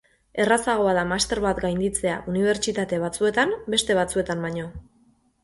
Errazagoa da master bat gainditzea unibertsitate batzuetan beste batzuetan baino.